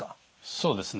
そうですね。